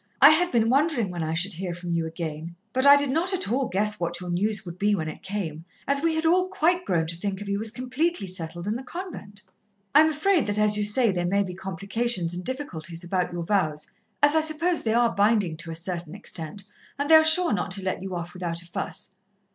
I had been wondering when I should hear from you again, but I did not at all guess what your news would be when it came, as we had all quite grown to think of you as completely settled in the convent. "I am afraid that, as you say, there may be complications and difficulties about your vows, as I suppose they are binding to a certain extent, and they are sure not to let you off without a fuss.